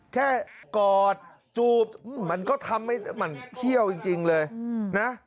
กอดจูบมันก็ทำให้มันเขี้ยวจริงเลยนะ